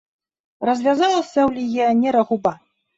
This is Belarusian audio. Развязалася ў легіянера губа.